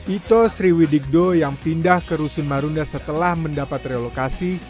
ito sriwidikdo yang pindah ke rusun marunda setelah mendapat relokasi